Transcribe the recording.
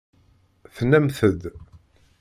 Tennamt-d.